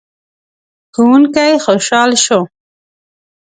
ښوونکی خوشحال شو.